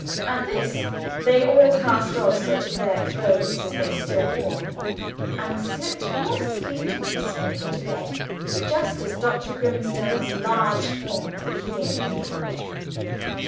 At this they all cast off such of their clothes as they still wore, and slipped modestly and peacefully into bed, just as Dr. Grimstone's large form appeared at the doorway.